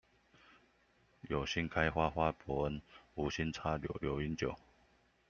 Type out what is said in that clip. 有新開花花伯恩、無心插柳柳英九